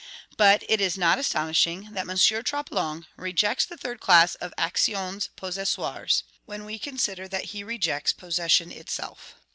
But it is not astonishing that M. Troplong rejects the third class of actions possessoires, when we consider that he rejects possession itself.